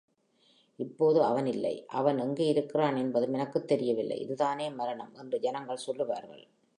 இப்போது அவன் இல்லை, அவன் எங்கேயிருக்கிறான் என்பதும் எனக்குத் தெரியவில்லை இதுதானே மரணம்! என்று ஜனங்கள் சொல்வார்கள்.